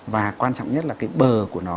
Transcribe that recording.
và quan trọng nhất là cái bờ của nó